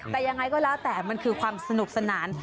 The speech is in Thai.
แต่ยังไงก็แล้วแต่มันคือความสนุกสนาน